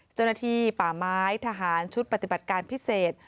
เจ้าหน้าที่ป่าไม้ทหารชุดปฏิบัติการพิเศษ